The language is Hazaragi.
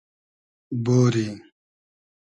بۉری